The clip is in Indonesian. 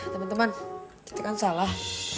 teman teman kita kan salah